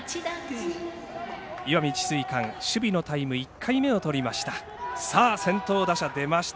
石見智翠館、守備のタイム１回目をとりました。